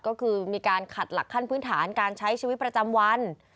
ก็คือมีการขัดหลักขั้นพื้นฐานการใช้ชีวิตประจำวัน